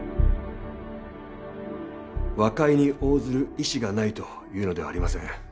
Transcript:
和解に応ずる意思がないというのではありません。